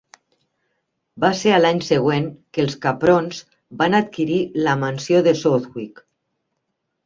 Va ser a l'any següent que els Caprons van adquirir la mansió de Southwick.